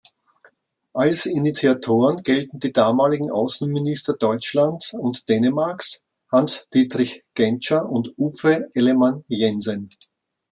Als Initiatoren gelten die damaligen Außenminister Deutschlands und Dänemarks, Hans-Dietrich Genscher und Uffe Ellemann-Jensen.